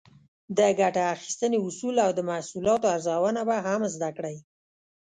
د ګټې اخیستنې اصول او د محصولاتو ارزونه به هم زده کړئ.